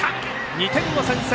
２点を先制！